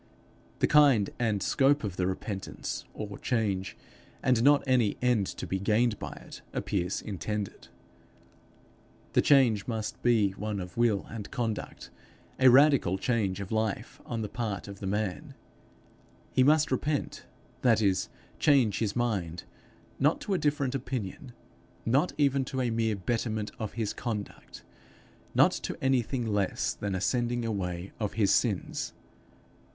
The kind and scope of the repentance or change, and not any end to be gained by it, appears intended. The change must be one of will and conduct a radical change of life on the part of the man: he must repent that is, change his mind not to a different opinion, not even to a mere betterment of his conduct not to anything less than a sending away of his sins.